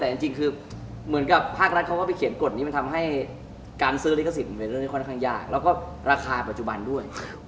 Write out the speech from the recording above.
แต่จริงคือเหมือนกับภาครัฐเขาก็ไปเขียนกฎนี้มันทำให้การซื้อลิขสิทธิ์เป็นเรื่องที่ค่อนข้างยากแล้วก็ราคาปัจจุบันด้วย